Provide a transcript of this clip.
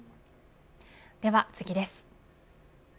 では次です。